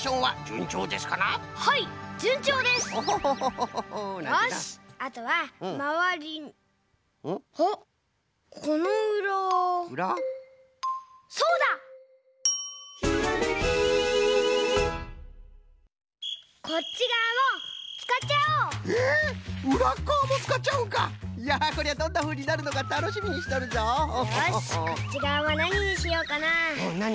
よしこっちがわはなににしようかな。